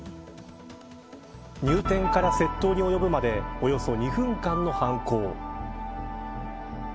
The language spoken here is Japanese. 入店から窃盗に及ぶまでおよそ２分間の犯行。